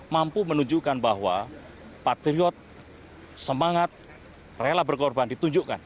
mampu menunjukkan bahwa patriot semangat rela berkorban ditunjukkan